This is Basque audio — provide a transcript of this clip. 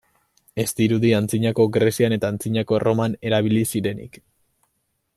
Ez dirudi Antzinako Grezian eta Antzinako Erroman erabili zirenik.